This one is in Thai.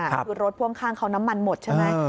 คือรถพ่วงข้างเขาน้ำมันหมดใช่ไหม